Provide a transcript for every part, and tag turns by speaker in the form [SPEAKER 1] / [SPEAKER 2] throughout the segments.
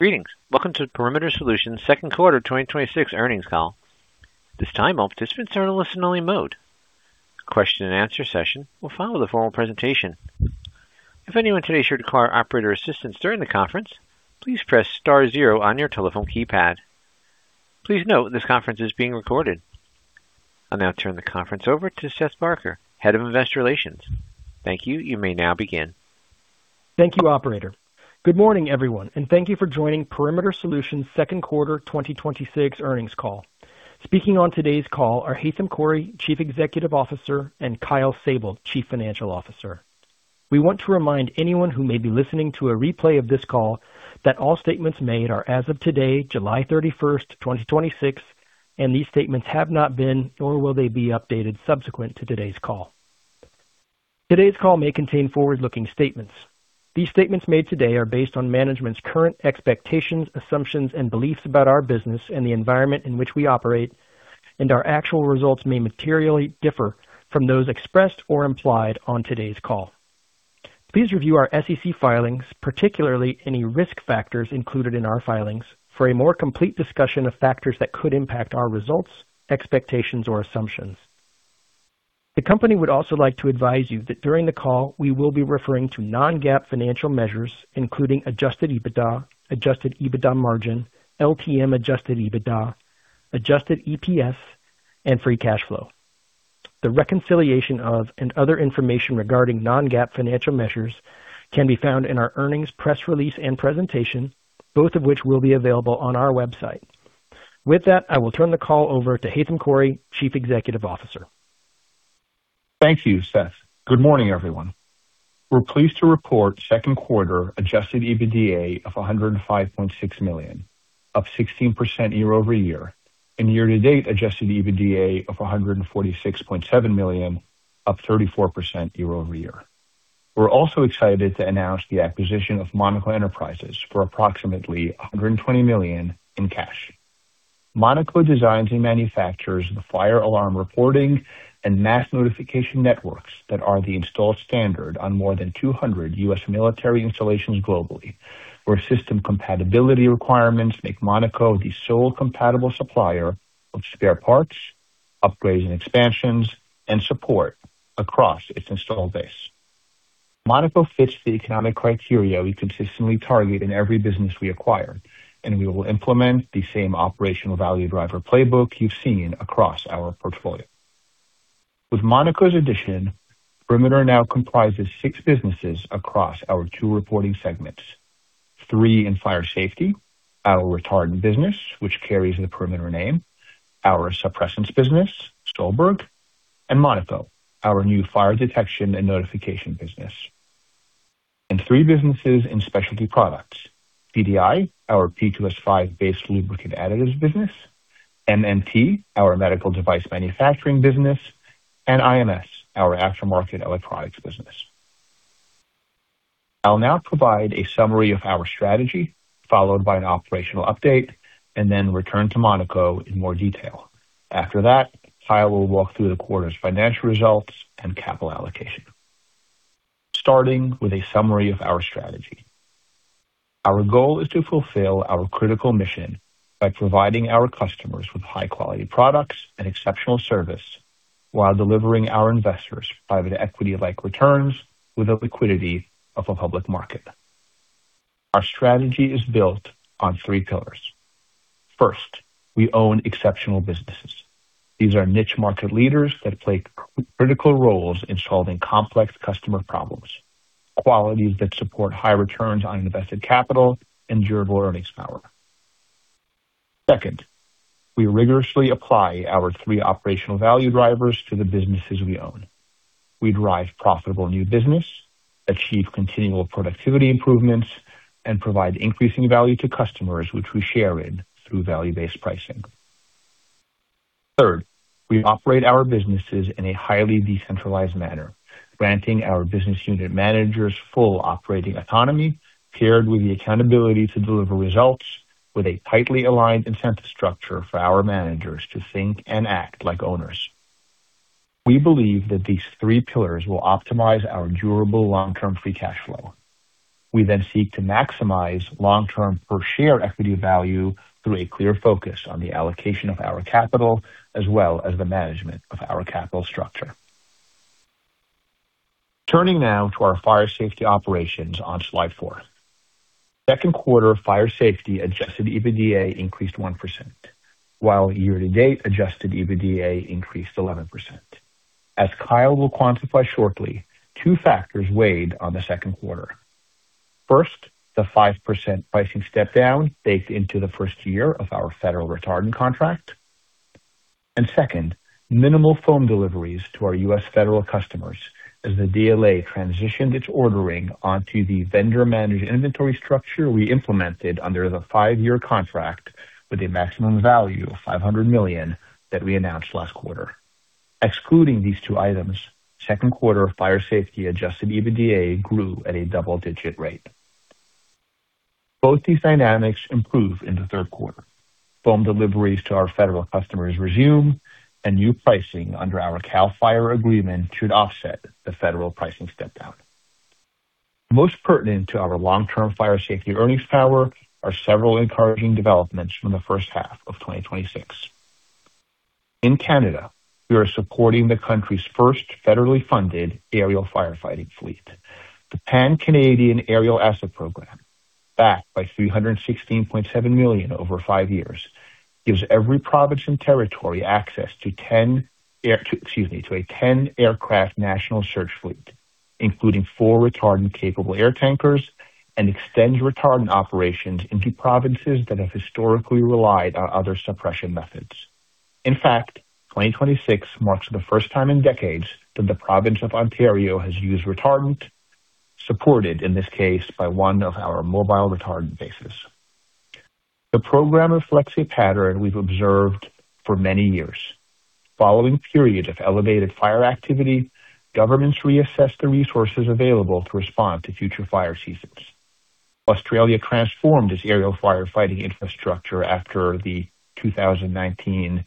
[SPEAKER 1] Greetings. Welcome to Perimeter Solutions' second quarter 2026 earnings call. This time, all participants are in listen-only mode. Question and answer session will follow the formal presentation. If anyone today should require operator assistance during the conference, please press star zero on your telephone keypad. Please note this conference is being recorded. I'll now turn the conference over to Seth Barker, Head of Investor Relations. Thank you. You may now begin.
[SPEAKER 2] Thank you, operator. Good morning, everyone, thank you for joining Perimeter Solutions second quarter 2026 earnings call. Speaking on today's call are Haitham Khouri, Chief Executive Officer, and Kyle Sable, Chief Financial Officer. We want to remind anyone who may be listening to a replay of this call that all statements made are as of today, July 31st, 2026, these statements have not been, nor will they be updated subsequent to today's call. Today's call may contain forward-looking statements. These statements made today are based on management's current expectations, assumptions, and beliefs about our business and the environment in which we operate, our actual results may materially differ from those expressed or implied on today's call. Please review our SEC filings, particularly any risk factors included in our filings, for a more complete discussion of factors that could impact our results, expectations, or assumptions. The company would also like to advise you that during the call, we will be referring to non-GAAP financial measures, including adjusted EBITDA, adjusted EBITDA margin, LTM adjusted EBITDA, adjusted EPS, and free cash flow. The reconciliation of, other information regarding non-GAAP financial measures can be found in our earnings press release and presentation, both of which will be available on our website. With that, I will turn the call over to Haitham Khouri, Chief Executive Officer.
[SPEAKER 3] Thank you, Seth. Good morning, everyone. We're pleased to report second quarter adjusted EBITDA of $105.6 million, up 16% year-over-year, year to date adjusted EBITDA of $146.7 million, up 34% year-over-year. We're also excited to announce the acquisition of Monaco Enterprises for approximately $120 million in cash. Monaco designs and manufactures the fire alarm reporting and mass notification networks that are the installed standard on more than 200 U.S. military installations globally, where system compatibility requirements make Monaco the sole compatible supplier of spare parts, upgrades and expansions, and support across its installed base. Monaco fits the economic criteria we consistently target in every business we acquire, we will implement the same operational value driver playbook you've seen across our portfolio. With Monaco's addition, Perimeter now comprises six businesses across our two reporting segments. Three in fire safety, our retardant business, which carries the Perimeter name, our suppressants business, Solberg, and Monaco, our new fire detection and notification business. Three businesses in specialty products, PDI, our P2S5-based lubricant additives business, MMT, our medical device manufacturing business, and IMS, our aftermarket electronics business. I'll now provide a summary of our strategy, followed by an operational update, and then return to Monaco in more detail. After that, Kyle will walk through the quarter's financial results and capital allocation. Starting with a summary of our strategy. Our goal is to fulfill our critical mission by providing our customers with high-quality products and exceptional service while delivering our investors private equity-like returns with the liquidity of a public market. Our strategy is built on three pillars. First, we own exceptional businesses. These are niche market leaders that play critical roles in solving complex customer problems, qualities that support high returns on invested capital and durable earnings power. Second, we rigorously apply our three operational value drivers to the businesses we own. We drive profitable new business, achieve continual productivity improvements, and provide increasing value to customers, which we share in through value-based pricing. Third, we operate our businesses in a highly decentralized manner, granting our business unit managers full operating autonomy, paired with the accountability to deliver results with a tightly aligned incentive structure for our managers to think and act like owners. We believe that these three pillars will optimize our durable long-term free cash flow. We seek to maximize long-term per share equity value through a clear focus on the allocation of our capital as well as the management of our capital structure. Turning now to our fire safety operations on slide four. Second quarter fire safety adjusted EBITDA increased 1%, while year-to-date adjusted EBITDA increased 11%. As Kyle will quantify shortly, two factors weighed on the second quarter. First, the 5% pricing step down baked into the first year of our federal retardant contract. Second, minimal foam deliveries to our U.S. federal customers as the DLA transitioned its ordering onto the vendor managed inventory structure we implemented under the five-year contract with a maximum value of $500 million that we announced last quarter. Excluding these two items, second quarter fire safety adjusted EBITDA grew at a double-digit rate. Both these dynamics improve in the third quarter. Foam deliveries to our federal customers resume and new pricing under our CAL FIRE agreement should offset the federal pricing step down. Most pertinent to our long-term fire safety earnings power are several encouraging developments from the first half of 2026. In Canada, we are supporting the country's first federally funded aerial firefighting fleet. The Pan-Canadian Aerial Asset Program, backed by $316.7 million over five years, gives every province and territory access to a 10-aircraft national surge fleet, including four retardant-capable air tankers, and extends retardant operations into provinces that have historically relied on other suppression methods. In fact, 2026 marks the first time in decades that the province of Ontario has used retardant, supported in this case by one of our mobile retardant bases. The program reflects a pattern we've observed for many years. Following periods of elevated fire activity, governments reassess the resources available to respond to future fire seasons. Australia transformed its aerial firefighting infrastructure after the 2019/2020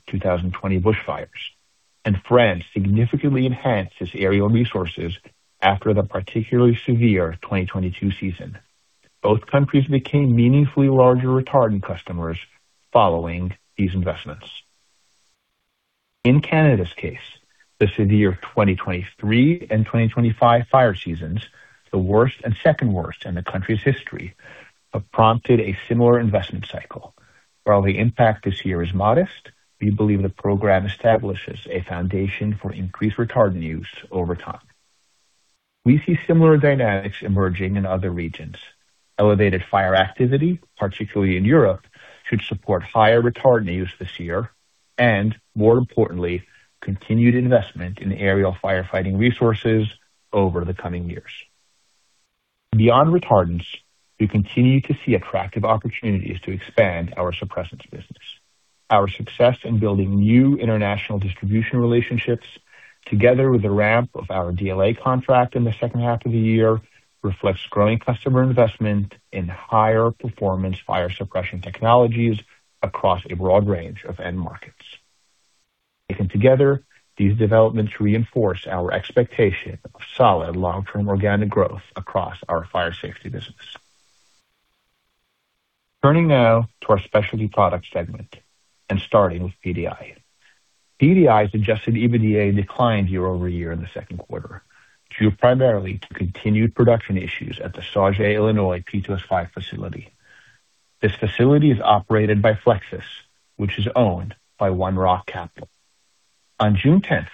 [SPEAKER 3] bushfires. France significantly enhanced its aerial resources after the particularly severe 2022 season. Both countries became meaningfully larger retardant customers following these investments. In Canada's case, the severe 2023 and 2025 fire seasons, the worst and second worst in the country's history, have prompted a similar investment cycle. While the impact this year is modest, we believe the program establishes a foundation for increased retardant use over time. We see similar dynamics emerging in other regions. Elevated fire activity, particularly in Europe, should support higher retardant use this year. More importantly, continued investment in aerial firefighting resources over the coming years. Beyond retardants, we continue to see attractive opportunities to expand our suppressants business. Our success in building new international distribution relationships, together with the ramp of our DLA contract in the second half of the year, reflects growing customer investment in higher performance fire suppression technologies across a broad range of end markets. Taken together, these developments reinforce our expectation of solid long-term organic growth across our fire safety business. Turning now to our Specialty Product segment. Starting with PDI's adjusted EBITDA declined year-over-year in the second quarter, due primarily to continued production issues at the Sauget, Illinois, P2S5 facility. This facility is operated by Flexsys, which is owned by One Rock Capital. On June 10th,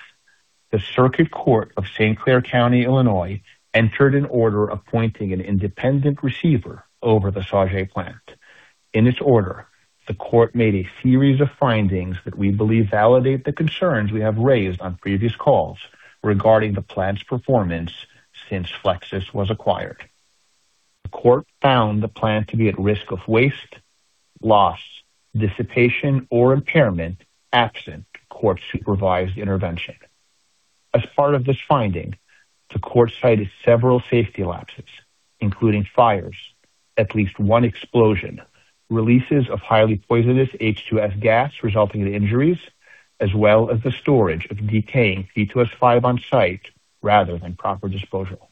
[SPEAKER 3] the Circuit Court of St. Clair County, Illinois, entered an order appointing an independent receiver over the Sauget plant. In its order, the court made a series of findings that we believe validate the concerns we have raised on previous calls regarding the plant's performance since Flexsys was acquired. The court found the plant to be at risk of waste, loss, dissipation, or impairment, absent court-supervised intervention. As part of this finding, the court cited several safety lapses, including fires, at least one explosion, releases of highly poisonous H2S gas resulting in injuries, as well as the storage of decaying P2S5 on-site rather than proper disposal.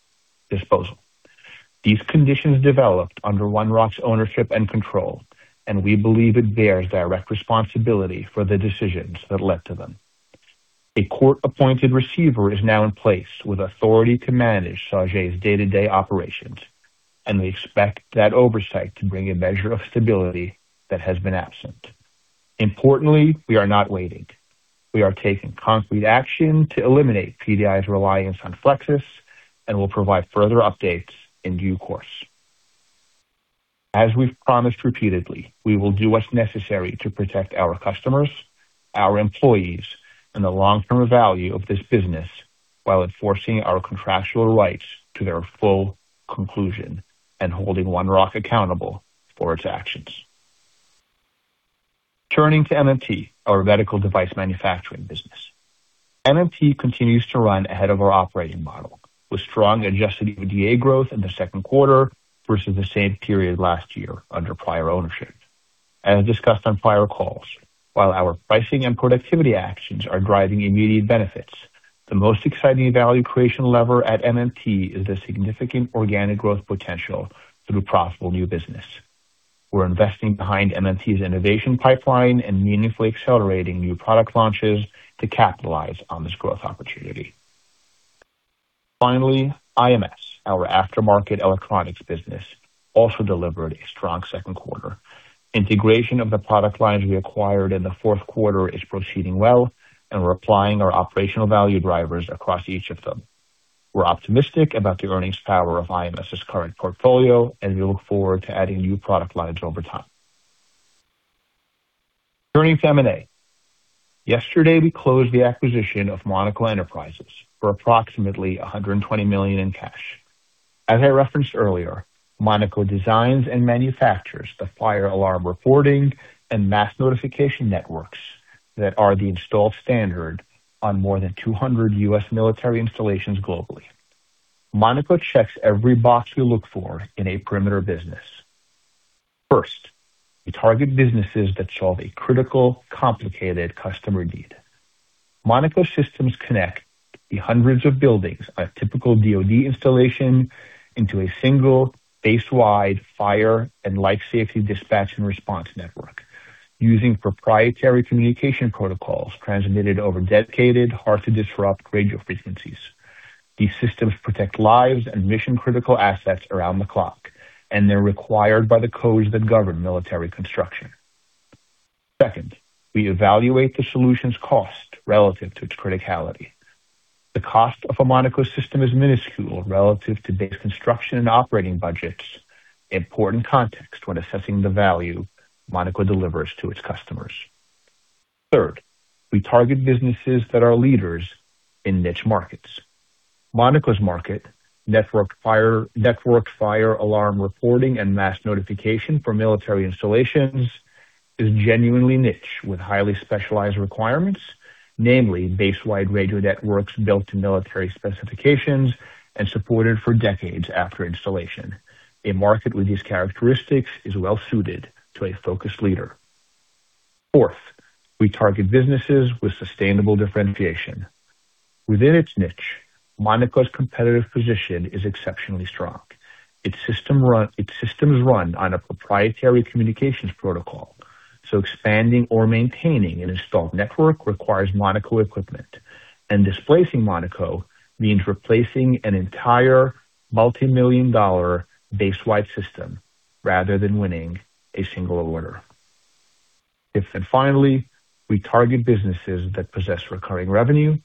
[SPEAKER 3] These conditions developed under One Rock's ownership and control. We believe it bears direct responsibility for the decisions that led to them. A court-appointed receiver is now in place with authority to manage Sauget's day-to-day operations. We expect that oversight to bring a measure of stability that has been absent. Importantly, we are not waiting. We are taking concrete action to eliminate PDI's reliance on Flexsys. We will provide further updates in due course. As we've promised repeatedly, we will do what's necessary to protect our customers, our employees, and the long-term value of this business while enforcing our contractual rights to their full conclusion and holding One Rock accountable for its actions. Turning to MMT, our medical device manufacturing business. MMT continues to run ahead of our operating model, with strong adjusted EBITDA growth in the second quarter versus the same period last year under prior ownership. As discussed on prior calls, while our pricing and productivity actions are driving immediate benefits, the most exciting value creation lever at MMT is the significant organic growth potential through profitable new business. We're investing behind MMT's innovation pipeline and meaningfully accelerating new product launches to capitalize on this growth opportunity. Finally, IMS, our aftermarket electronics business, also delivered a strong second quarter. Integration of the product lines we acquired in the fourth quarter is proceeding well, and we're applying our operational value drivers across each of them. We're optimistic about the earnings power of IMS's current portfolio, and we look forward to adding new product lines over time. Turning to M&A. Yesterday, we closed the acquisition of Monaco Enterprises for approximately $120 million in cash. As I referenced earlier, Monaco designs and manufactures the fire alarm reporting and mass notification networks that are the installed standard on more than 200 U.S. military installations globally. Monaco checks every box we look for in a Perimeter business. First, we target businesses that solve a critical, complicated customer need. Monaco systems connect the hundreds of buildings on a typical DoD installation into a single base-wide fire and life safety dispatch and response network using proprietary communication protocols transmitted over dedicated, hard-to-disrupt radio frequencies. These systems protect lives and mission-critical assets around the clock, and they're required by the codes that govern military construction. Second, we evaluate the solution's cost relative to its criticality. The cost of a Monaco system is minuscule relative to base construction and operating budgets, important context when assessing the value Monaco delivers to its customers. Third, we target businesses that are leaders in niche markets. Monaco's market, network fire alarm reporting and mass notification for military installations, is genuinely niche with highly specialized requirements, namely base-wide radio networks built to military specifications and supported for decades after installation. A market with these characteristics is well-suited to a focused leader. Fourth, we target businesses with sustainable differentiation. Within its niche, Monaco's competitive position is exceptionally strong. Its systems run on a proprietary communications protocol, so expanding or maintaining an installed network requires Monaco equipment, and displacing Monaco means replacing an entire multimillion-dollar base-wide system rather than winning a single order. Fifth and finally, we target businesses that possess recurring revenue,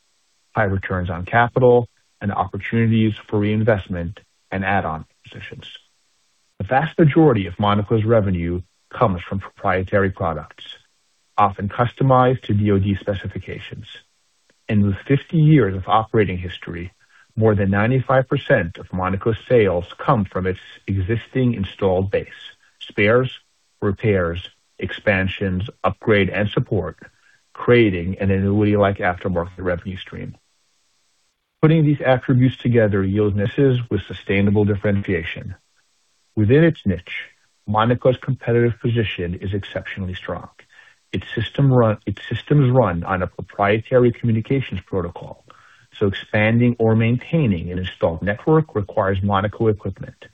[SPEAKER 3] high returns on capital, and opportunities for reinvestment and add-on positions. The vast majority of Monaco's revenue comes from proprietary products, often customized to DoD specifications. With 50 years of operating history, more than 95% of Monaco's sales come from its existing installed base, spares, repairs, expansions, upgrade, and support, creating an annuity-like aftermarket revenue stream. Putting these attributes together yields niches with sustainable differentiation. Within its niche, Monaco's competitive position is exceptionally strong. Its systems run on a proprietary communications protocol, so expanding or maintaining an installed network requires Monaco equipment,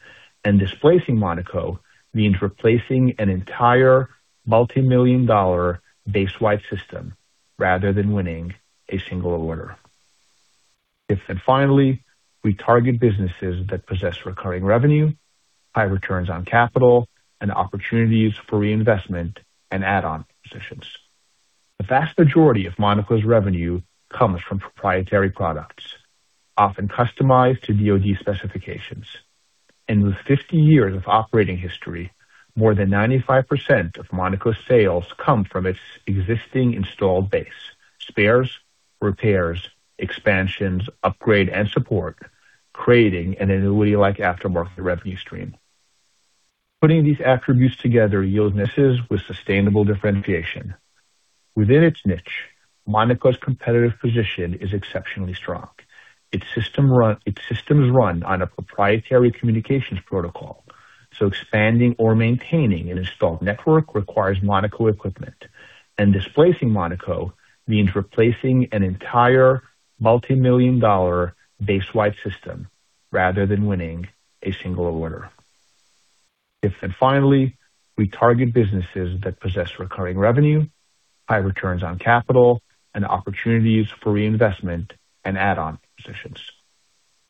[SPEAKER 3] and displacing Monaco means replacing an entire multimillion-dollar base-wide system rather than winning a single order. Fifth and finally, we target businesses that possess recurring revenue, high returns on capital, and opportunities for reinvestment and add-on positions. The vast majority of Monaco's revenue comes from proprietary products, often customized to DoD specifications. With 50 years of operating history, more than 95% of Monaco's sales come from its existing installed base, spares, repairs, expansions, upgrade, and support, creating an annuity-like aftermarket revenue stream. Putting these attributes together yields niches with sustainable differentiation. Within its niche, Monaco's competitive position is exceptionally strong. Its systems run on a proprietary communications protocol. Expanding or maintaining an installed network requires Monaco equipment, and displacing Monaco means replacing an entire multimillion-dollar base-wide system rather than winning a single order. Fifth and finally, we target businesses that possess recurring revenue, high returns on capital, and opportunities for reinvestment and add-on positions.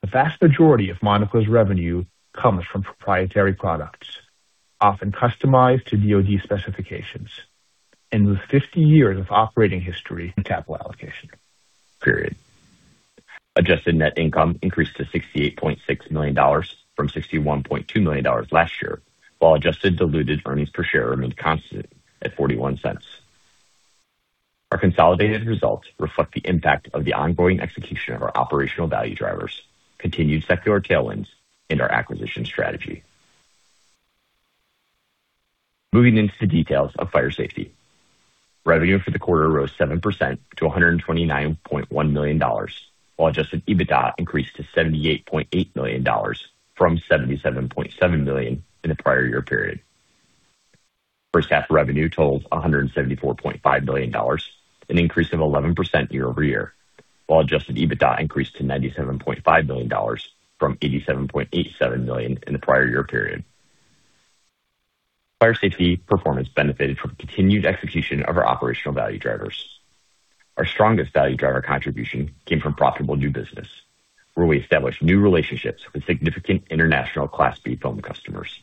[SPEAKER 3] The vast majority of Monaco's revenue comes from proprietary products, often customized to DoD specifications. With 50 years of operating history- Capital allocation. Period.
[SPEAKER 4] Adjusted net income increased to $68.6 million from $61.2 million last year, while adjusted diluted earnings per share remained constant at $0.41. Our consolidated results reflect the impact of the ongoing execution of our operational value drivers, continued secular tailwinds and our acquisition strategy. Moving into the details of fire safety. Revenue for the quarter rose 7% to $129.1 million, while adjusted EBITDA increased to $78.8 million from $77.7 million in the prior year period. First half revenue totaled $174.5 million, an increase of 11% year-over-year, while adjusted EBITDA increased to $97.5 million from $87.8 million in the prior year period. Fire safety performance benefited from the continued execution of our operational value drivers. Our strongest value driver contribution came from profitable new business, where we established new relationships with significant international Class B foam customers.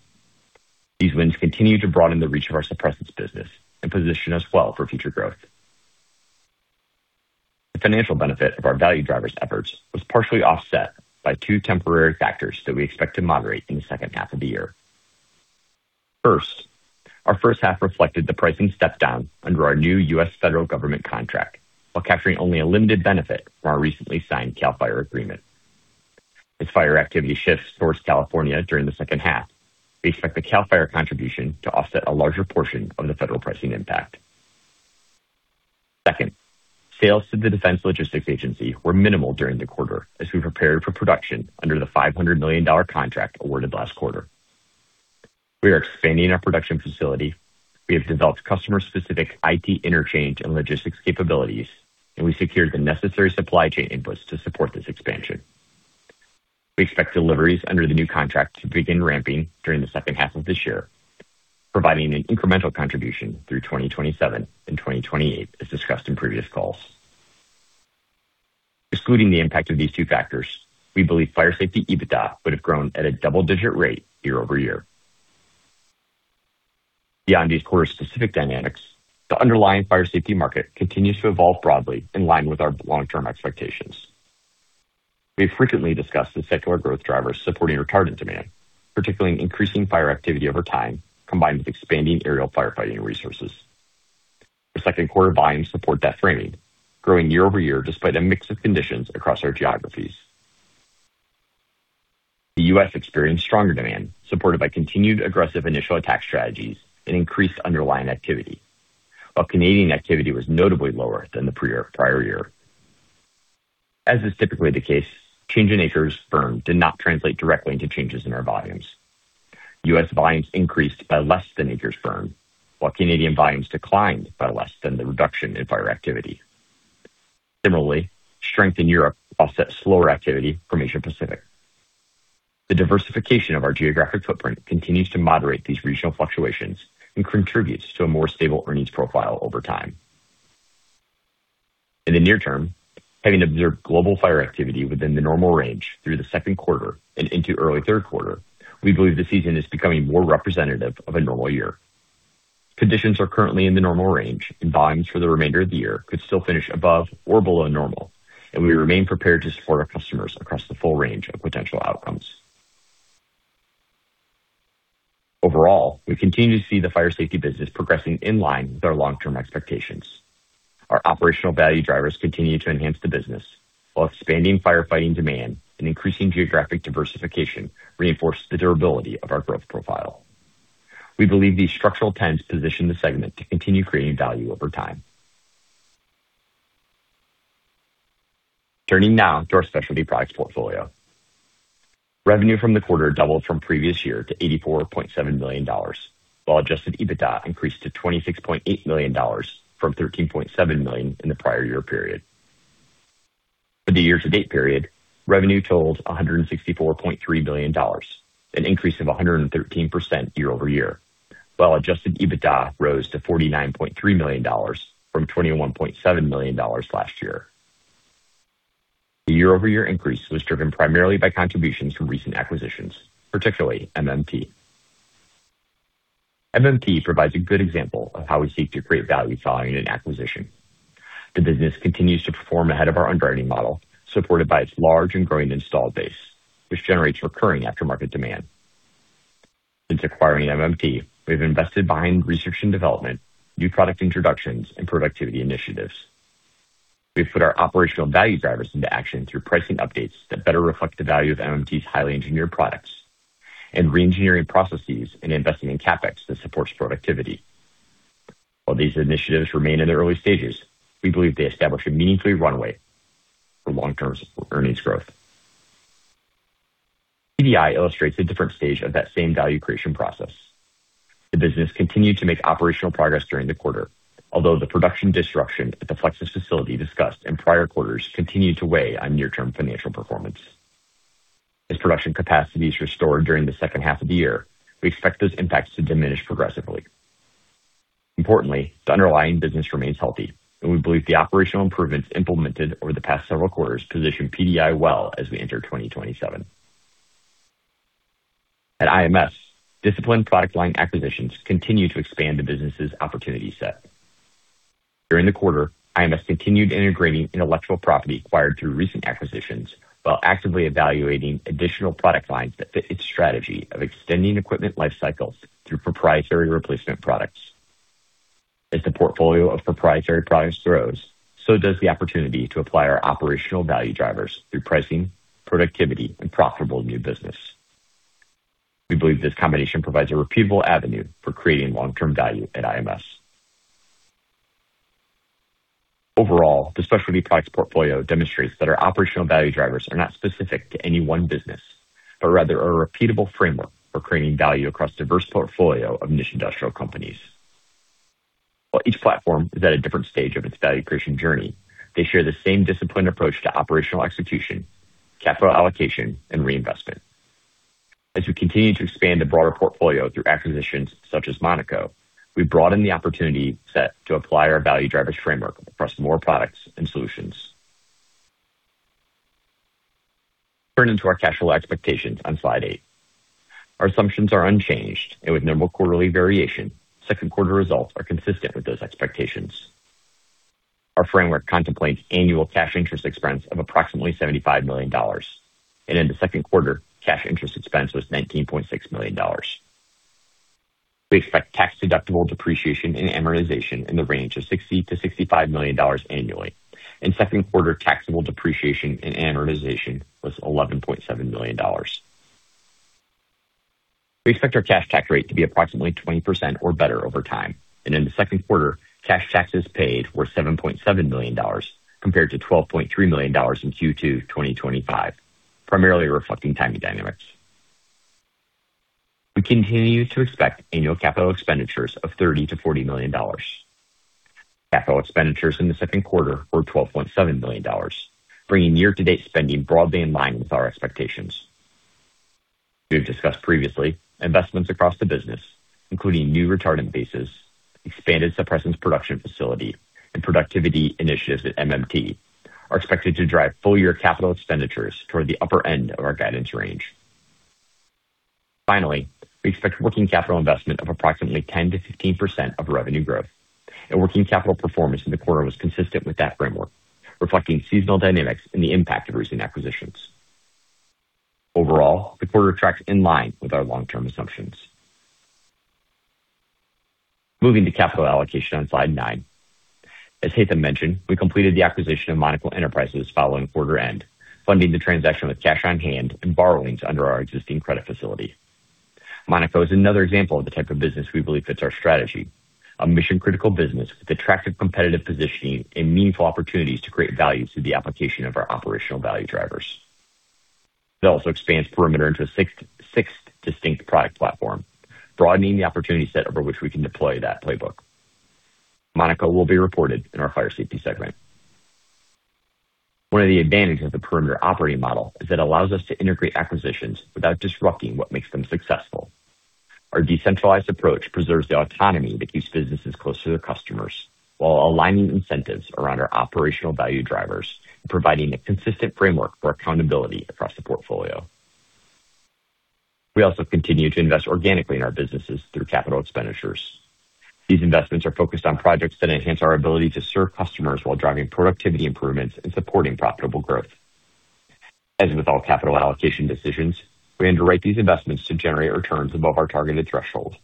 [SPEAKER 4] These wins continue to broaden the reach of our suppressants business and position us well for future growth. The financial benefit of our value drivers' efforts was partially offset by two temporary factors that we expect to moderate in the second half of the year. First, our first half reflected the pricing step-down under our new U.S. federal government contract while capturing only a limited benefit from our recently signed CAL FIRE agreement. As fire activity shifts towards California during the second half, we expect the CAL FIRE contribution to offset a larger portion of the federal pricing impact. Second, sales to the Defense Logistics Agency were minimal during the quarter as we prepared for production under the $500 million contract awarded last quarter. We are expanding our production facility. We have developed customer-specific IT interchange and logistics capabilities. We secured the necessary supply chain inputs to support this expansion. We expect deliveries under the new contract to begin ramping during the second half of this year, providing an incremental contribution through 2027 and 2028, as discussed in previous calls. Excluding the impact of these two factors, we believe Fire Safety EBITDA would have grown at a double-digit rate year-over-year. Beyond these quarter-specific dynamics, the underlying fire safety market continues to evolve broadly in line with our long-term expectations. We have frequently discussed the secular growth drivers supporting retardant demand, particularly increasing fire activity over time, combined with expanding aerial firefighting resources. Our second quarter volumes support that framing, growing year-over-year despite a mix of conditions across our geographies. The U.S. experienced stronger demand supported by continued aggressive initial attack strategies and increased underlying activity. While Canadian activity was notably lower than the prior year. As is typically the case, change in acres burned did not translate directly into changes in our volumes. U.S. volumes increased by less than acres burned, while Canadian volumes declined by less than the reduction in fire activity. Similarly, strength in Europe offset slower activity from Asia Pacific. The diversification of our geographic footprint continues to moderate these regional fluctuations and contributes to a more stable earnings profile over time. In the near term, having observed global fire activity within the normal range through the second quarter and into early third quarter, we believe the season is becoming more representative of a normal year. Conditions are currently in the normal range, and volumes for the remainder of the year could still finish above or below normal, and we remain prepared to support our customers across the full range of potential outcomes. Overall, we continue to see the Fire Safety business progressing in line with our long-term expectations. Our operational value drivers continue to enhance the business while expanding firefighting demand and increasing geographic diversification reinforce the durability of our growth profile. We believe these structural trends position the segment to continue creating value over time. Turning now to our Specialty Products portfolio. Revenue from the quarter doubled from previous year to $84.7 million, while adjusted EBITDA increased to $26.8 million from $13.7 million in the prior year period. For the year-to-date period, revenue totaled $164.3 million, an increase of 113% year-over-year, while adjusted EBITDA rose to $49.3 million from $21.7 million last year. The year-over-year increase was driven primarily by contributions from recent acquisitions, particularly MMT. MMT provides a good example of how we seek to create value following an acquisition. The business continues to perform ahead of our underwriting model, supported by its large and growing installed base, which generates recurring aftermarket demand. Since acquiring MMT, we've invested behind research and development, new product introductions, and productivity initiatives. We've put our operational value drivers into action through pricing updates that better reflect the value of MMT's highly engineered products and re-engineering processes and investing in CapEx that supports productivity. While these initiatives remain in the early stages, we believe they establish a meaningful runway for long-term earnings growth. PDI illustrates a different stage of that same value creation process. The business continued to make operational progress during the quarter, although the production disruption at the Flexsys facility discussed in prior quarters continued to weigh on near-term financial performance. As production capacity is restored during the second half of the year, we expect those impacts to diminish progressively. Importantly, the underlying business remains healthy, and we believe the operational improvements implemented over the past several quarters position PDI well as we enter 2027. At IMS, disciplined product line acquisitions continue to expand the business's opportunity set. During the quarter, IMS continued integrating intellectual property acquired through recent acquisitions while actively evaluating additional product lines that fit its strategy of extending equipment life cycles through proprietary replacement products. As the portfolio of proprietary products grows, so does the opportunity to apply our operational value drivers through pricing, productivity, and profitable new business. We believe this combination provides a repeatable avenue for creating long-term value at IMS. Overall, the Specialty Products portfolio demonstrates that our operational value drivers are not specific to any one business, but rather are a repeatable framework for creating value across a diverse portfolio of niche industrial companies. While each platform is at a different stage of its value creation journey, they share the same disciplined approach to operational execution, capital allocation, and reinvestment. As we continue to expand the broader portfolio through acquisitions such as Monaco, we broaden the opportunity set to apply our value drivers framework across more products and solutions. Turning to our cash flow expectations on slide eight. Our assumptions are unchanged and with normal quarterly variation, second quarter results are consistent with those expectations. Our framework contemplates annual cash interest expense of approximately $75 million, and in the second quarter, cash interest expense was $19.6 million. We expect tax-deductible depreciation and amortization in the range of $60 million-$65 million annually. In second quarter taxable depreciation and amortization was $11.7 million. We expect our cash tax rate to be approximately 20% or better over time. In the second quarter, cash taxes paid were $7.7 million, compared to $12.3 million in Q2 2025, primarily reflecting timing dynamics. We continue to expect annual capital expenditures of $30 million-$40 million. Capital expenditures in the second quarter were $12.7 million, bringing year-to-date spending broadly in line with our expectations. We have discussed previously, investments across the business, including new retardant bases, expanded suppressants production facility, and productivity initiatives at MMT, are expected to drive full-year capital expenditures toward the upper end of our guidance range. Finally, we expect working capital investment of approximately 10%-15% of revenue growth. Working capital performance in the quarter was consistent with that framework, reflecting seasonal dynamics and the impact of recent acquisitions. Overall, the quarter tracks in line with our long-term assumptions. Moving to capital allocation on slide nine. As Haitham mentioned, we completed the acquisition of Monaco Enterprises following quarter end, funding the transaction with cash on hand and borrowings under our existing credit facility. Monaco is another example of the type of business we believe fits our strategy, a mission-critical business with attractive competitive positioning and meaningful opportunities to create value through the application of our operational value drivers. It also expands Perimeter into a sixth distinct product platform, broadening the opportunity set over which we can deploy that playbook. Monaco will be reported in our fire safety segment. One of the advantages of the Perimeter operating model is it allows us to integrate acquisitions without disrupting what makes them successful. Our decentralized approach preserves the autonomy that keeps businesses close to their customers while aligning incentives around our operational value drivers and providing a consistent framework for accountability across the portfolio. We also continue to invest organically in our businesses through capital expenditures. These investments are focused on projects that enhance our ability to serve customers while driving productivity improvements and supporting profitable growth. As with all capital allocation decisions, we underwrite these investments to generate returns above our targeted threshold,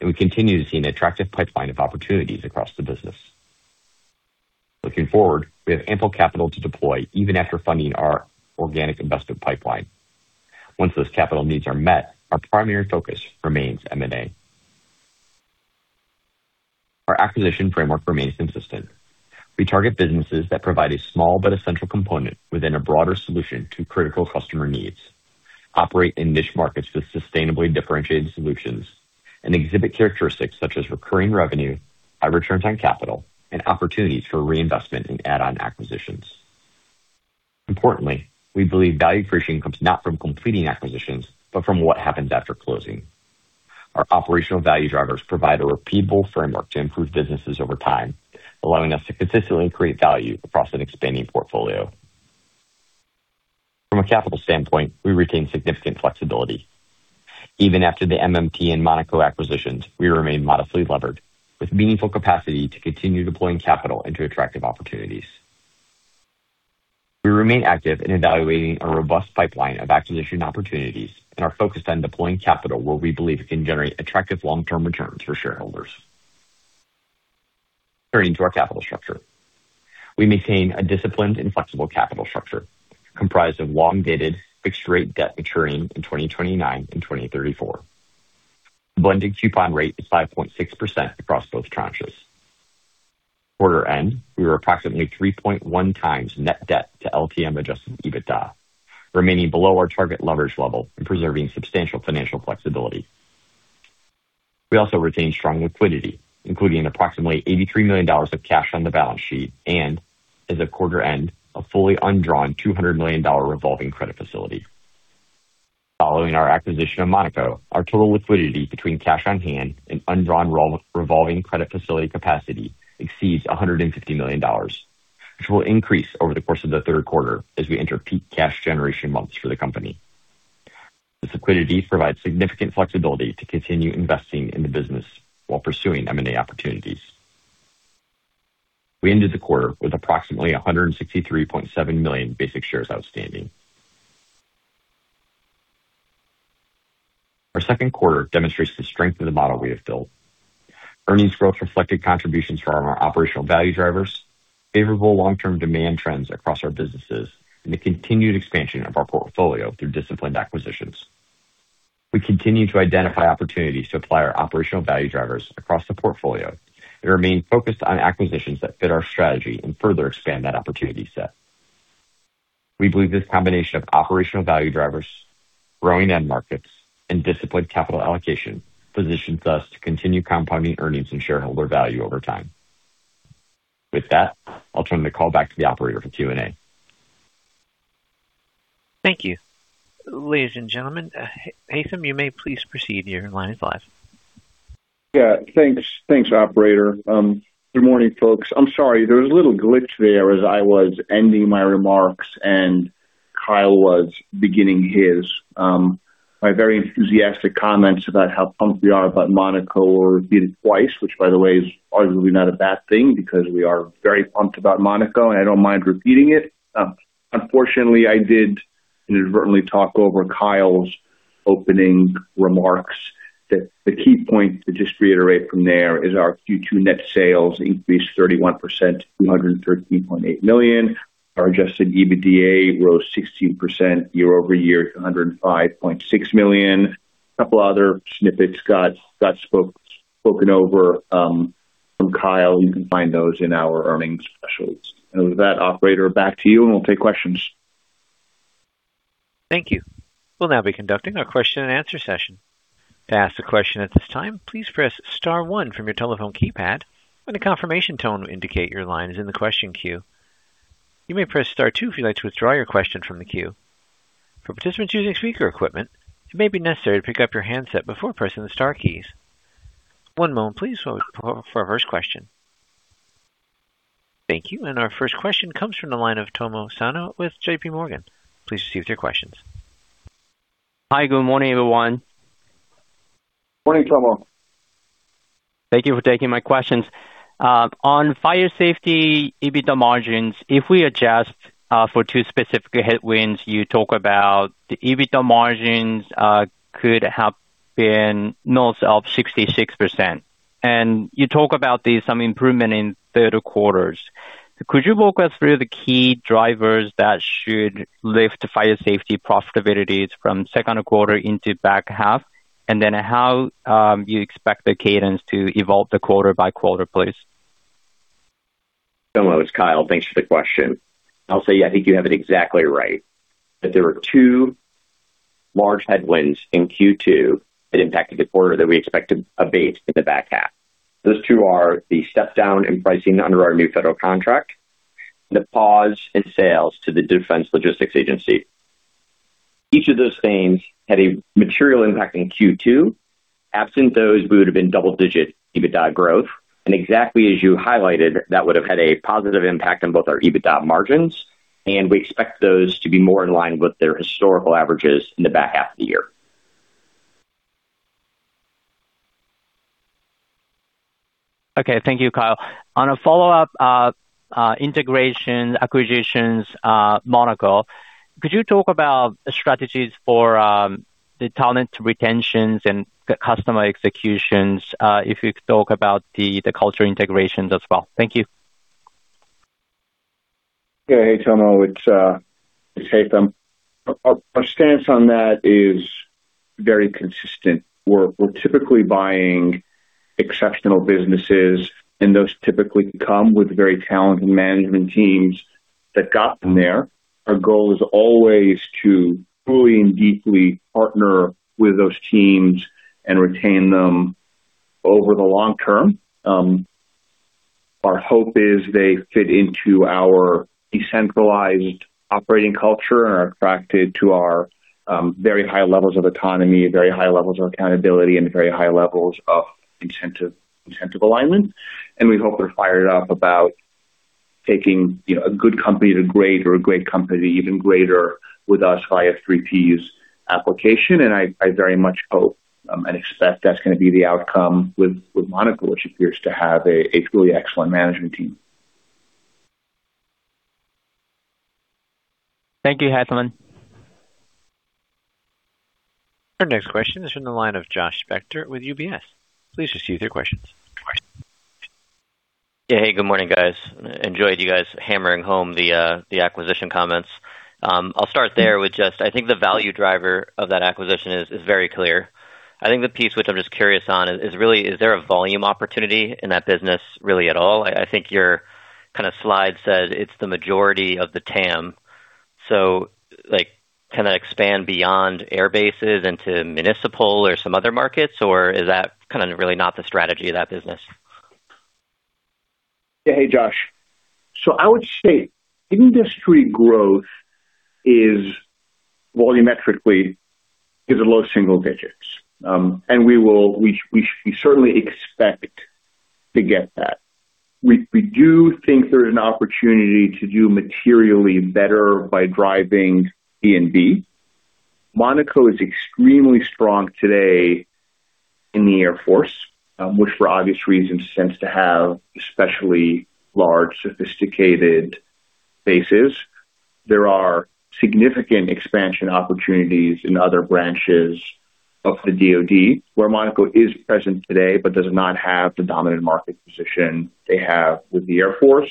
[SPEAKER 4] and we continue to see an attractive pipeline of opportunities across the business. Looking forward, we have ample capital to deploy even after funding our organic investment pipeline. Once those capital needs are met, our primary focus remains M&A. Our acquisition framework remains consistent. We target businesses that provide a small but essential component within a broader solution to critical customer needs, operate in niche markets with sustainably differentiated solutions, and exhibit characteristics such as recurring revenue, high returns on capital, and opportunities for reinvestment in add-on acquisitions. Importantly, we believe value creation comes not from completing acquisitions, but from what happens after closing. Our operational value drivers provide a repeatable framework to improve businesses over time, allowing us to consistently create value across an expanding portfolio. From a capital standpoint, we retain significant flexibility. Even after the MMT and Monaco acquisitions, we remain modestly levered with meaningful capacity to continue deploying capital into attractive opportunities. We remain active in evaluating a robust pipeline of acquisition opportunities and are focused on deploying capital where we believe it can generate attractive long-term returns for shareholders. Turning to our capital structure. We maintain a disciplined and flexible capital structure comprised of long-dated fixed rate debt maturing in 2029 and 2034. The blended coupon rate is 5.6% across both tranches. Quarter end, we were approximately 3.1x net debt to LTM adjusted EBITDA, remaining below our target leverage level and preserving substantial financial flexibility. We also retain strong liquidity, including approximately $83 million of cash on the balance sheet and, as of quarter end, a fully undrawn $200 million revolving credit facility. Following our acquisition of Monaco, our total liquidity between cash on hand and undrawn revolving credit facility capacity exceeds $150 million, which will increase over the course of the third quarter as we enter peak cash generation months for the company. This liquidity provides significant flexibility to continue investing in the business while pursuing M&A opportunities. We ended the quarter with approximately 163.7 million basic shares outstanding. Our second quarter demonstrates the strength of the model we have built. Earnings growth reflected contributions from our operational value drivers, favorable long-term demand trends across our businesses, and the continued expansion of our portfolio through disciplined acquisitions. We continue to identify opportunities to apply our operational value drivers across the portfolio and remain focused on acquisitions that fit our strategy and further expand that opportunity set. We believe this combination of operational value drivers, growing end markets, and disciplined capital allocation positions us to continue compounding earnings and shareholder value over time. With that, I'll turn the call back to the operator for Q&A.
[SPEAKER 1] Thank you. Ladies and gentlemen, Haitham, you may please proceed, your line is live.
[SPEAKER 3] Thanks. Thanks, operator. Good morning, folks. I'm sorry, there was a little glitch there as I was ending my remarks and Kyle was beginning his. My very enthusiastic comments about how pumped we are about Monaco were repeated twice, which by the way, is arguably not a bad thing because we are very pumped about Monaco, and I don't mind repeating it. Unfortunately, I did inadvertently talk over Kyle's opening remarks. The key point to just reiterate from there is our Q2 net sales increased 31%, to $313.8 million. Our adjusted EBITDA rose 16% year-over-year to $105.6 million. A couple other snippets got spoken over from Kyle. You can find those in our earnings materials. With that, operator, back to you, and we'll take questions.
[SPEAKER 1] Thank you. We'll now be conducting our question and answer session. To ask a question at this time, please press star one from your telephone keypad and a confirmation tone will indicate your line is in the question queue. You may press star two if you'd like to withdraw your question from the queue. For participants using speaker equipment, it may be necessary to pick up your handset before pressing the star keys. One moment, please, while we wait for our first question. Thank you. Our first question comes from the line of Tomo Sano with JPMorgan. Please proceed with your questions.
[SPEAKER 5] Hi. Good morning, everyone.
[SPEAKER 3] Morning, Tomo.
[SPEAKER 5] Thank you for taking my questions. On fire safety EBITDA margins, if we adjust for two specific headwinds you talk about, the EBITDA margins could have been north of 66%. You talk about some improvement in third quarters. Could you walk us through the key drivers that should lift fire safety profitabilities from second quarter into back half? How you expect the cadence to evolve the quarter by quarter, please?
[SPEAKER 4] Tomo, it's Kyle. Thanks for the question. I'll say, I think you have it exactly right, that there were two large headwinds in Q2 that impacted the quarter that we expect to abate in the back half. Those two are the step down in pricing under our new federal contract, and the pause in sales to the Defense Logistics Agency. Each of those things had a material impact in Q2. Absent those, we would've been double-digit EBITDA growth. Exactly as you highlighted, that would've had a positive impact on both our EBITDA margins, and we expect those to be more in line with their historical averages in the back half of the year.
[SPEAKER 5] Okay. Thank you, Kyle. On a follow-up, integration acquisitions, Monaco, could you talk about strategies for the talent retentions and customer executions? If you could talk about the culture integrations as well. Thank you.
[SPEAKER 3] Yeah. Hey, Tomo. It's Haitham. Our stance on that is very consistent. We're typically buying exceptional businesses, and those typically come with very talented management teams that got them there. Our goal is always to truly and deeply partner with those teams and retain them over the long term. Our hope is they fit into our decentralized operating culture and are attracted to our very high levels of autonomy, very high levels of accountability, and very high levels of incentive alignment. We hope they're fired up about taking a good company to great or a great company even greater with us via 3P's application. I very much hope and expect that's gonna be the outcome with Monaco, which appears to have a truly excellent management team.
[SPEAKER 5] Thank you, Haitham.
[SPEAKER 1] Our next question is from the line of Josh Spector with UBS. Please proceed with your questions.
[SPEAKER 6] Yeah. Hey. Good morning, guys. Enjoyed you guys hammering home the acquisition comments. I'll start there with just I think the value driver of that acquisition is very clear. I think the piece which I'm just curious on is really is there a volume opportunity in that business really at all? I think your slide says it's the majority of the TAM, so can that expand beyond airbases into municipal or some other markets, or is that kind of really not the strategy of that business?
[SPEAKER 3] Hey, Josh. I would state industry growth volumetrically is at low single digits. We certainly expect to get that. We do think there's an opportunity to do materially better by driving P&B. Monaco is extremely strong today in the Air Force, which for obvious reasons tends to have especially large, sophisticated bases. There are significant expansion opportunities in other branches of the DoD, where Monaco is present today but does not have the dominant market position they have with the Air Force.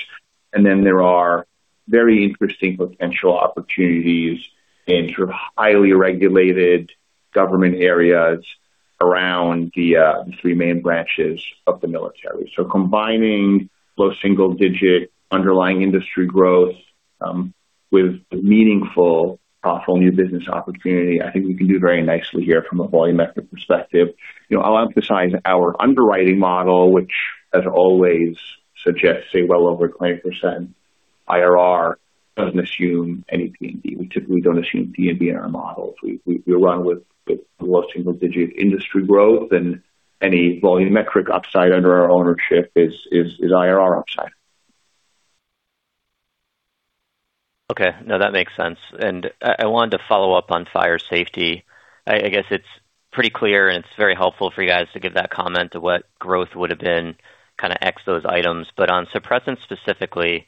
[SPEAKER 3] There are very interesting potential opportunities in sort of highly regulated government areas around the three main branches of the military. Combining low single digit underlying industry growth with meaningful, powerful new business opportunity, I think we can do very nicely here from a volumetric perspective. I'll emphasize our underwriting model, which as always suggests a well over 20% IRR, doesn't assume any P&B. We don't assume P&B in our models. We run with low single digit industry growth and any volumetric upside under our ownership is IRR upside.
[SPEAKER 6] That makes sense. I wanted to follow up on fire safety. I guess it's pretty clear and it's very helpful for you guys to give that comment to what growth would've been, kind of X those items. On suppressants specifically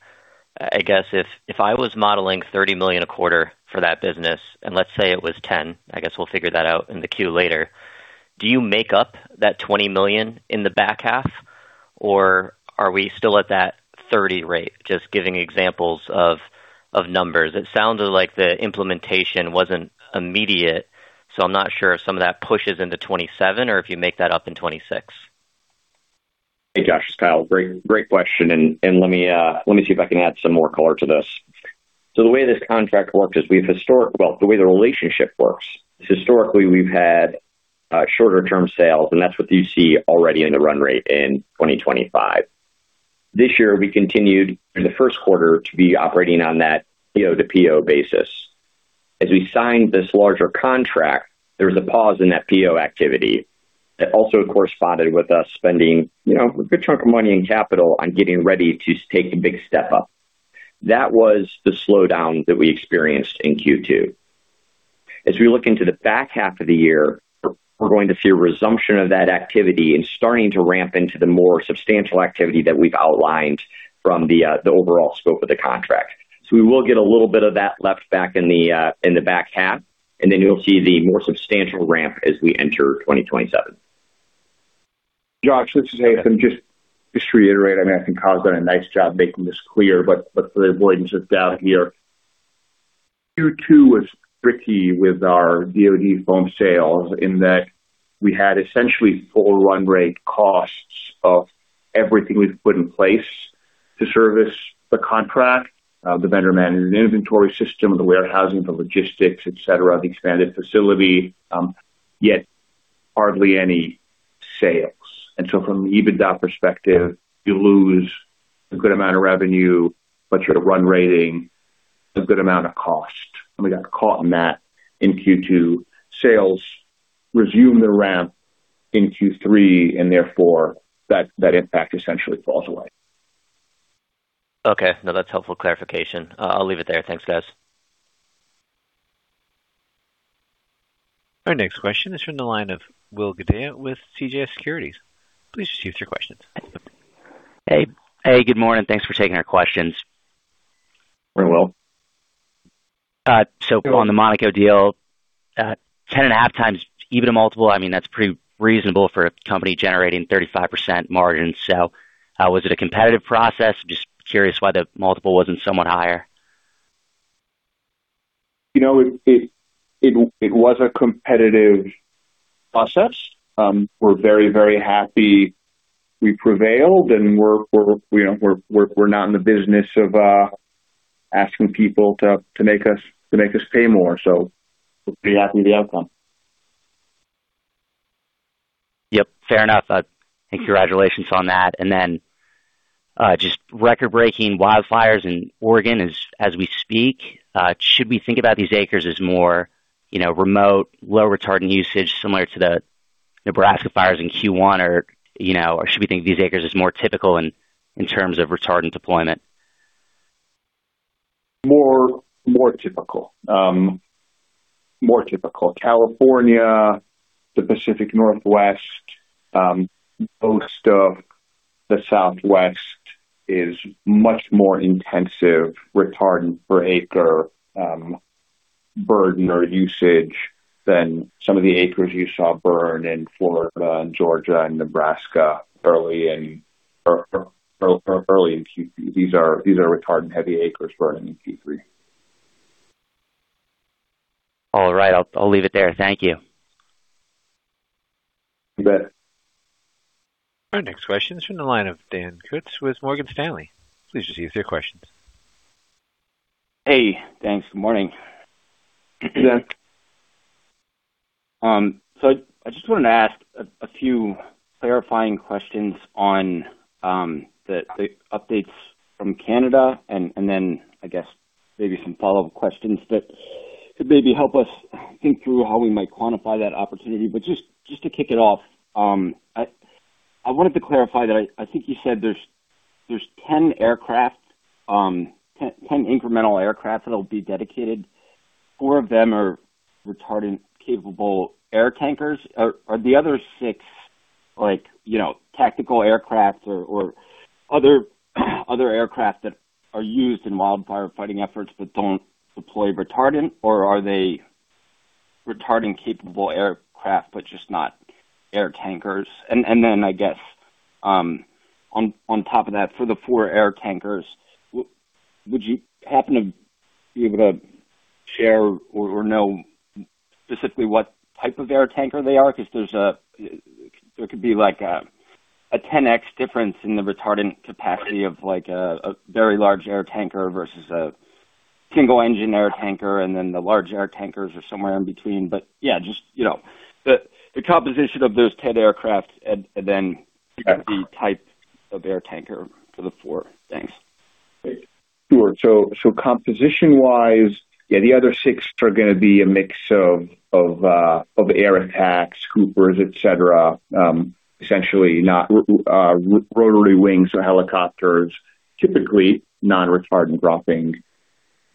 [SPEAKER 6] I guess if I was modeling $30 million a quarter for that business, and let's say it was 10, I guess we'll figure that out in the Q later. Do you make up that $20 million in the back half, or are we still at that 30 rate? Just giving examples of numbers. It sounded like the implementation wasn't immediate, I'm not sure if some of that pushes into 2027 or if you make that up in 2026.
[SPEAKER 4] Hey, Josh, it's Kyle. Great question, and let me see if I can add some more color to this. The way this contract works is the way the relationship works is historically we've had shorter term sales, and that's what you see already in the run rate in 2025. This year, we continued in the first quarter to be operating on that PO-to-PO basis. As we signed this larger contract, there was a pause in that PO activity that also corresponded with us spending a good chunk of money and capital on getting ready to take a big step up. That was the slowdown that we experienced in Q2. As we look into the back half of the year, we're going to see a resumption of that activity and starting to ramp into the more substantial activity that we've outlined from the overall scope of the contract. We will get a little bit of that left back in the back half, and then you'll see the more substantial ramp as we enter 2027.
[SPEAKER 3] Josh, this is Haitham. Just to reiterate, I think Kyle's done a nice job making this clear, but for the avoidance of doubt here, Q2 was tricky with our DoD foam sales in that we had essentially full run rate costs of everything we've put in place to service the contract, the vendor-managed inventory system, the warehousing, the logistics, et cetera, the expanded facility, yet hardly any sales. From an EBITDA perspective, you lose a good amount of revenue, but you're run rating a good amount of cost. We got caught on that in Q2. Sales resume the ramp in Q3, and therefore that impact essentially falls away.
[SPEAKER 6] Okay. No, that's helpful clarification. I'll leave it there. Thanks, guys.
[SPEAKER 1] Our next question is from the line of Will Gildea with CJS Securities. Please proceed with your questions.
[SPEAKER 7] Hey. Good morning. Thanks for taking our questions.
[SPEAKER 3] Hi, Will.
[SPEAKER 7] On the Monaco deal, 10.5x EBITDA multiple, that's pretty reasonable for a company generating 35% margins. Was it a competitive process? Just curious why the multiple wasn't somewhat higher.
[SPEAKER 3] It was a competitive process. We're very happy we prevailed, we're not in the business of asking people to make us pay more. We're pretty happy with the outcome.
[SPEAKER 7] Yep, fair enough. Congratulations on that. Just record-breaking wildfires in Oregon as we speak. Should we think about these acres as more remote, low retardant usage similar to the Nebraska fires in Q1, or should we think of these acres as more typical in terms of retardant deployment?
[SPEAKER 3] More typical. California, the Pacific Northwest, most of the Southwest is much more intensive retardant per acre burden or usage than some of the acres you saw burn in Florida and Georgia and Nebraska early in Q3. These are retardant-heavy acres burning in Q3.
[SPEAKER 7] All right. I'll leave it there. Thank you.
[SPEAKER 3] You bet.
[SPEAKER 1] Our next question is from the line of Dan Kutz with Morgan Stanley. Please proceed with your questions.
[SPEAKER 8] Hey, thanks. Good morning.
[SPEAKER 3] Good.
[SPEAKER 8] I just wanted to ask a few clarifying questions on the updates from Canada and then I guess maybe some follow-up questions that could maybe help us think through how we might quantify that opportunity. Just to kick it off, I wanted to clarify that I think you said there's 10 incremental aircraft that'll be dedicated. Four of them are retardant-capable air tankers. Are the other six tactical aircraft or other aircraft that are used in wildfire fighting efforts that don't deploy retardant, or are they retardant-capable aircraft, but just not air tankers? And then I guess, on top of that, for the four air tankers, would you happen to be able to share or know specifically what type of air tanker they are? There could be a 10x difference in the retardant capacity of a very large air tanker versus a single-engine air tanker, and then the large air tankers are somewhere in between. Yeah, just the composition of those 10 aircraft and then the type of air tanker for the four. Thanks.
[SPEAKER 3] Sure. Composition-wise, yeah, the other six are going to be a mix of Air Attack, Scoopers, et cetera. Essentially, rotary wings or helicopters, typically non-retardant dropping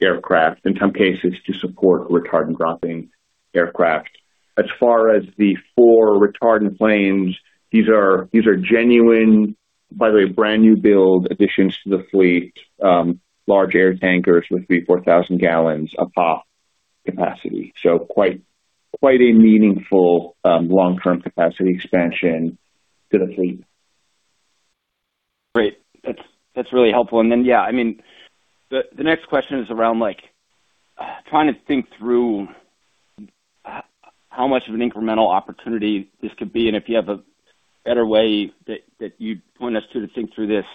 [SPEAKER 3] aircraft, in some cases to support retardant dropping aircraft. As far as the four retardant planes, these are genuine, by the way, brand-new build additions to the fleet. Large air tankers with 4,000 gal a pop capacity. Quite a meaningful long-term capacity expansion to the fleet.
[SPEAKER 8] Great. That's really helpful. Yeah. The next question is around trying to think through how much of an incremental opportunity this could be, and if you have a better way that you'd point us to think through this,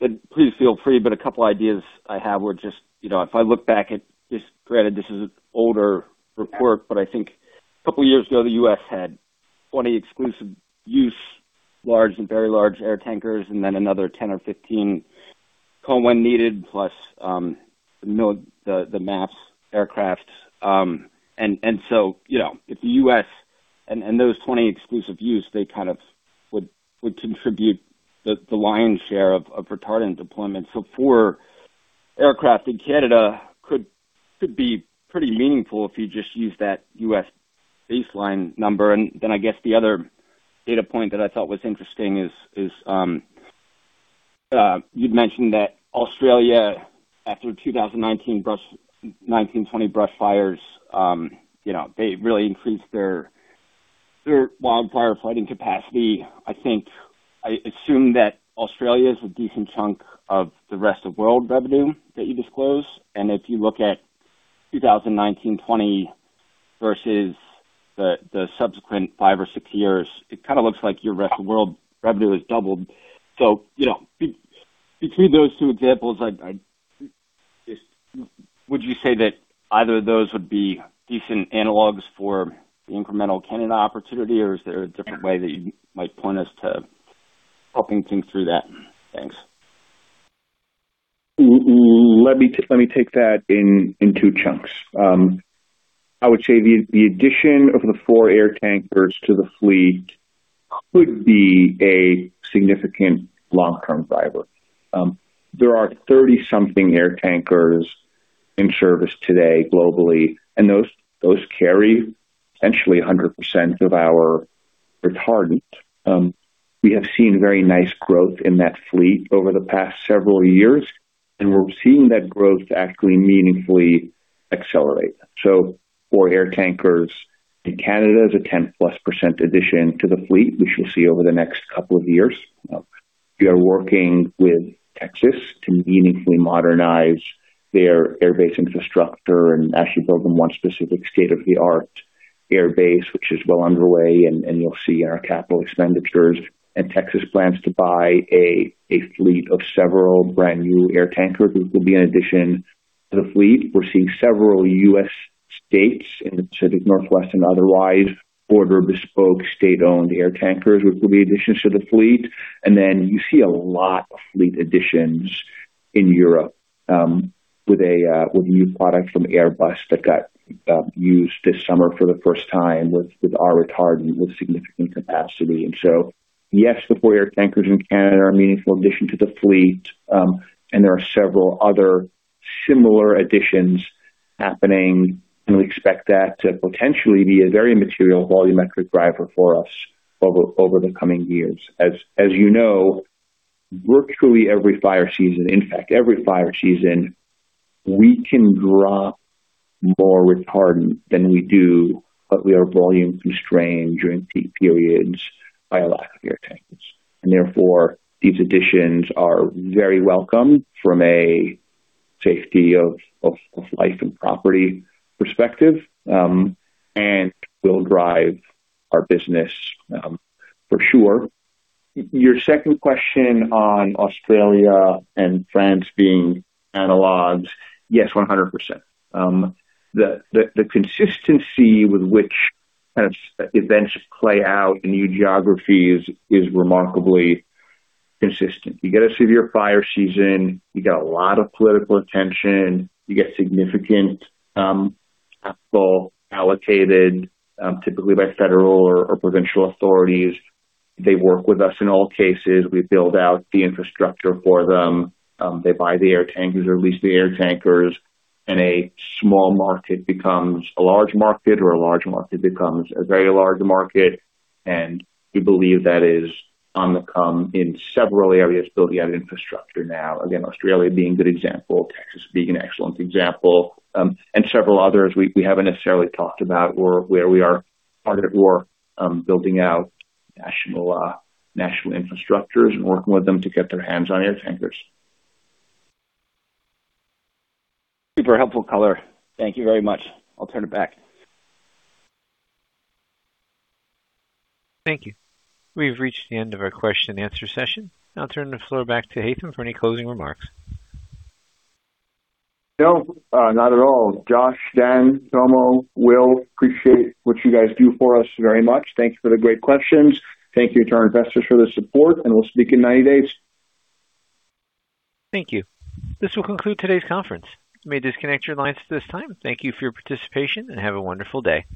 [SPEAKER 8] then please feel free. A couple of ideas I have were just, if I look back at this-- granted, this is an older report, but I think a couple of years ago, the U.S. had 20 exclusive-use large and very large air tankers, and then another 10 or 15 call when needed, plus the MAFFS aircraft. If the U.S. and those 20 exclusive use, they would contribute the lion's share of retardant deployment. Four aircraft in Canada could be pretty meaningful if you just use that U.S. baseline number. I guess the other data point that I thought was interesting is you'd mentioned that Australia, after 2019-2020 brush fires, they really increased their wildfire fighting capacity. I assume that Australia is a decent chunk of the rest of world revenue that you disclose. If you look at 2019-2020 versus the subsequent five or six years, it looks like your rest of world revenue has doubled. Between those two examples, would you say that either of those would be decent analogs for the incremental Canada opportunity, or is there a different way that you'd point us to helping think through that? Thanks.
[SPEAKER 3] Let me take that in two chunks. I would say the addition of the four air tankers to the fleet could be a significant long-term driver. There are 30-something air tankers in service today globally, and those carry essentially 100% of our retardant. We have seen very nice growth in that fleet over the past several years, and we're seeing that growth actually meaningfully accelerate. Four air tankers in Canada is a 10+% addition to the fleet, which you'll see over the next couple of years. We are working with Texas to meaningfully modernize their airbase infrastructure and actually build them one specific state-of-the-art airbase, which is well underway, and you'll see in our capital expenditures. Texas plans to buy a fleet of several brand-new air tankers, which will be an addition to the fleet. We're seeing several U.S. states in the Pacific Northwest and otherwise order bespoke state-owned air tankers, which will be additions to the fleet. You see a lot of fleet additions in Europe with a new product from Airbus that got used this summer for the first time with our retardant with significant capacity. Yes, the four air tankers in Canada are a meaningful addition to the fleet, and there are several other similar additions happening, and we expect that to potentially be a very material volumetric driver for us over the coming years. As you know, virtually every fire season, in fact, every fire season, we can drop more retardant than we do, but we are volume constrained during peak periods by a lack of air tankers. Therefore, these additions are very welcome from a safety of life and property perspective, and will drive our business for sure. Your second question on Australia and France being analogs, yes, 100%. The consistency with which events play out in new geographies is remarkably consistent. You get a severe fire season, you get a lot of political attention. You get significant capital allocated, typically by federal or provincial authorities. They work with us in all cases. We build out the infrastructure for them. They buy the air tankers or lease the air tankers, and a small market becomes a large market, or a large market becomes a very large market. We believe that is on the come in several areas building out infrastructure now. Again, Australia being a good example, Texas being an excellent example, and several others we haven't necessarily talked about or where we are partnered or building out national infrastructures and working with them to get their hands on air tankers.
[SPEAKER 8] Super helpful color. Thank you very much. I'll turn it back.
[SPEAKER 1] Thank you. We've reached the end of our question and answer session. I'll turn the floor back to Haitham for any closing remarks.
[SPEAKER 3] No, not at all. Josh, Dan, Tomo, Will, appreciate what you guys do for us very much. Thanks for the great questions. Thank you to our investors for the support. We'll speak in 90 days.
[SPEAKER 1] Thank you. This will conclude today's conference. You may disconnect your lines at this time. Thank you for your participation, and have a wonderful day.